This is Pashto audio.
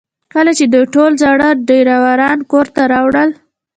کله چې دوی ټول زاړه ډرایوونه کور ته راوړل